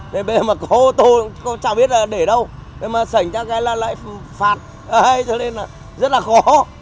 nên bây giờ mà có ô tô chẳng biết là để đâu bây giờ mà sảnh chắc là lại phạt cho nên là rất là khó